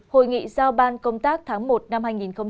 hội nghị giao ban công tác tháng một năm hai nghìn một mươi hai